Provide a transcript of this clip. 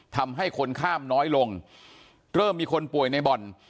ทำให้คนข้ามน้อยลงเริ่มมีคนป่วยในบ่อน